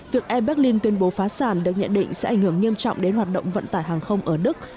việc air berlin tuyên bố phá sản được nhận định sẽ ảnh hưởng nghiêm trọng đến hoạt động vận tải hàng không ở đức